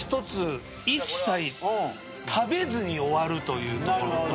一切食べずに終わるというところと。